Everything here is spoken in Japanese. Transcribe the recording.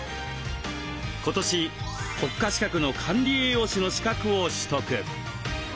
今年国家資格の管理栄養士の資格を取得。